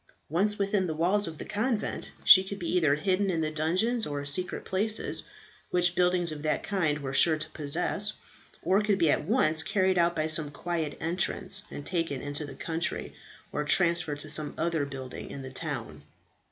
Once within the walls of the convent, she could be either hidden in the dungeons or secret places, which buildings of that kind were sure to possess, or could be at once carried out by some quiet entrance, and taken into the country, or transferred to some other building in the town.